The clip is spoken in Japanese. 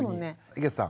井桁さん。